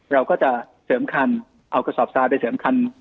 เราก็จะเสริมคันเอากระสอบทรายไปเสริมคัน